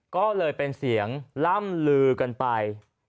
ก็เลยเป็นเสียงล่ำลือกันไป